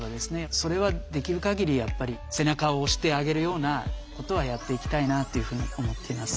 それはできる限りやっぱり背中を押してあげるようなことはやっていきたいなというふうに思っています。